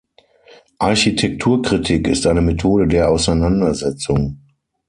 Architekturkritik ist eine Methode der Auseinandersetzung.